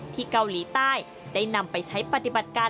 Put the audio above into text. เกาหลีใต้ได้นำไปใช้ปฏิบัติการ